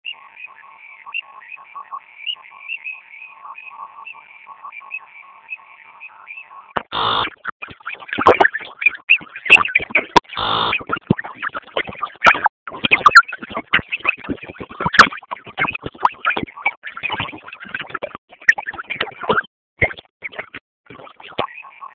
yake ni kubwa mpaka imetiwa sumu ili wasile watu Vitongoji Pemba wengi walikufa